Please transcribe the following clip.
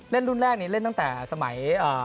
เล่นรุ่นแรกนี้เล่นตั้งแต่สมัย